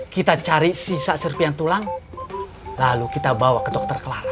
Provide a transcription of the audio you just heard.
kita cari sisa serpian tulang lalu kita bawa ke dokter clar